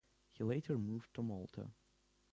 He later moved to Malta.